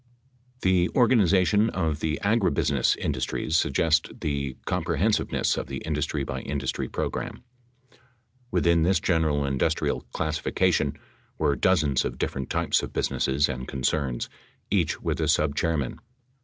The organization of the agribusiness industries suggests the com prehensiveness of the industry by industry program. Within this general industrial classification were dozens of different types of busi nesses and concerns, each with a subchairman.